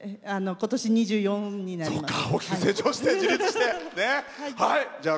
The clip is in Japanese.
ことし、２４になります。